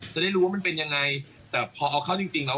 จะได้รู้ว่ามันเป็นยังไงแต่พอเอาเข้าจริงจริงแล้ว